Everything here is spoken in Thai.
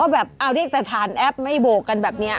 แบบเอาเรียกแต่ฐานแอปไม่โบกกันแบบนี้